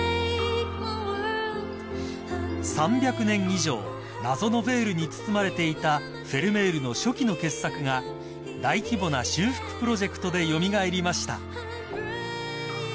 ［３００年以上謎のベールに包まれていたフェルメールの初期の傑作が大規模な修復プロジェクトで蘇りました］